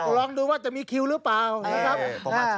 ลองดูว่าจะมีคิวหรือเปล่า